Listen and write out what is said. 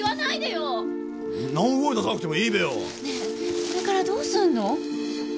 ねえこれからどうすんの？